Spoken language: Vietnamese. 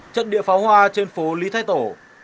trận địa phá hoa trên phố lý thái tổ